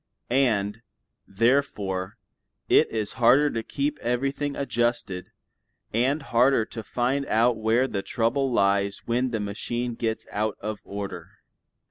And, therefore, it is harder to keep everything adjusted, and harder to find out where the trouble lies when the machine gets out of order.